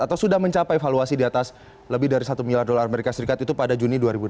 atau sudah mencapai valuasi di atas lebih dari satu miliar dolar amerika serikat itu pada juni dua ribu delapan belas